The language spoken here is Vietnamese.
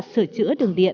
sửa chữa đường điện